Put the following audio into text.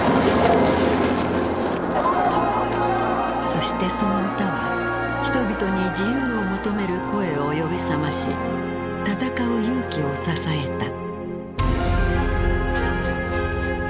そしてその歌は人々に自由を求める声を呼び覚ましたたかう勇気を支えた。